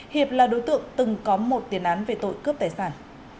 hiệp là đối tượng từng có một tiền án về tội cướp tài sản